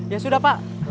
ya sudah pak